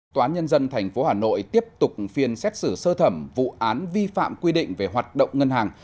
tòa nhân dân tp hà nội tiếp tục phiên xét xử sơ thẩm vụ án vi phạm quy định về hoạt động ngân hàng